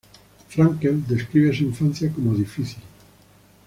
Frankel describe su infancia como difícil.